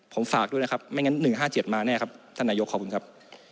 ผมฝากด้วยนะครับไม่งั้น๑๕๗มาแน่ครับท่านนายกขอบคุณครับ